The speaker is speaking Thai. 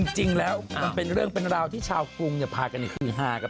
จริงแล้วมันเป็นเรื่องเป็นราวที่ชาวกรุงพากันคือฮากัน